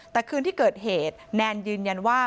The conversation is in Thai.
แต่คืนที่เกิดเหตุแนนยืนยันว่า